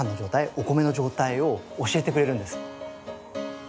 お米の状態を教えてくれるんです。